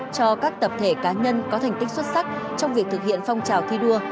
cho các tập thể cá nhân có thành tích xuất sắc trong việc thực hiện phong trào thi đua